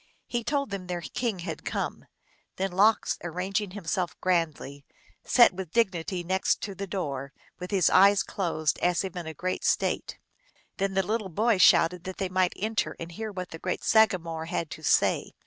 He told them their king had come. Then Lox, arraying himself grandly, sat with dignity next the door, with his eyes closed, as if in great state. Then the little boy shouted that they might enter and hear what the great sagamore had to say.